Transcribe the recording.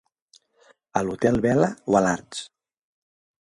A l'hotel Vela o a l'Arts?